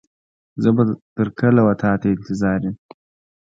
زه به تر کله و تا ته انتظار يم.